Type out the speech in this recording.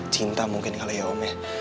cinta mungkin kalau ya om ya